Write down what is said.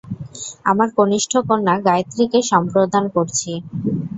আমার কনিষ্ঠ কণ্যা গায়েত্রীকে সম্প্রদান করছি।